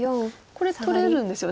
これ取れるんですよね？